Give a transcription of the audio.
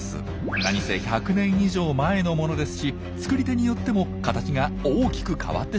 なにせ１００年以上前の物ですし作り手によっても形が大きく変わってしまうんです。